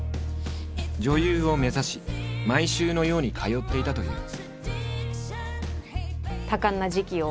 女優を目指し毎週のように通っていたという。